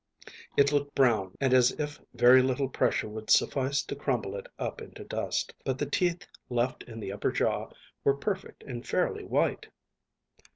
It looked brown and as if very little pressure would suffice to crumble it up into dust; but the teeth left in the upper jaw were perfect and fairly white.